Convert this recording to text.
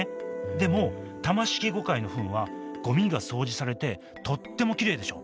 でもタマシキゴカイのフンはゴミが掃除されてとってもきれいでしょ？